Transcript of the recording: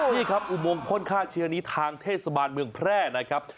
นี่ครับอุโมงพ่นฆ่าเชื้อนี้ทางเทศบาลเมืองแพร่นะครับ